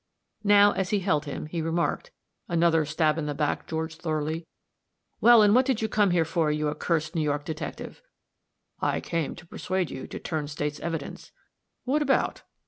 Now, as he held him, he remarked, "Another stab in the back, George Thorley?" "Well, and what did you come here for, you accursed New York detective?" "I came to persuade you to turn State's evidence." "What about?"